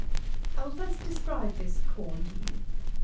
259. I will first describe this corn to you.